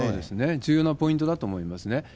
重要なポイントだと思いますね。